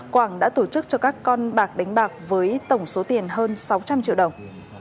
quảng đã tổ chức cho các con bạc đánh bạc với tổng số tiền hơn sáu trăm linh triệu đồng